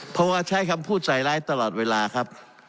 เพราะว่าใช้คำพูดใส่ร้ายตลอดเวลาครับ